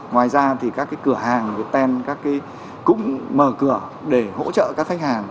ngoài ra thì các cái cửa hàng viettel cũng mở cửa để hỗ trợ các khách hàng